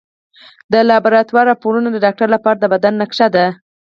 د لابراتوار راپورونه د ډاکټر لپاره د بدن نقشه ده.